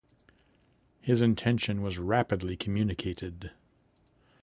His intention was rapidly communicated.